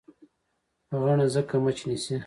غڼه څنګه مچ نیسي؟